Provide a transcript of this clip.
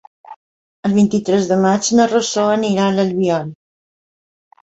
El vint-i-tres de maig na Rosó anirà a l'Albiol.